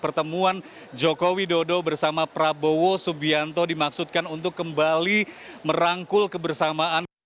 pertemuan jokowi dodo bersama prabowo subianto dimaksudkan untuk kembali merangkul kebersamaan